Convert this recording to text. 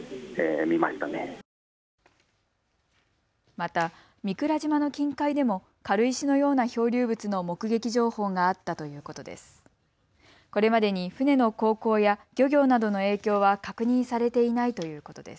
また御蔵島の近海でも軽石のような漂流物の目撃情報があったということです。